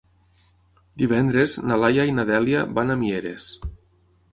Divendres na Laia i na Dèlia van a Mieres.